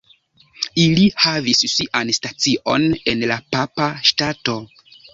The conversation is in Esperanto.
Ili havis sian stacion en la Papa Ŝtato.